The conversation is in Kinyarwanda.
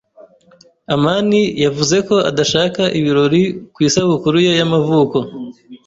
amani yavuze ko adashaka ibirori ku isabukuru ye y'amavuko.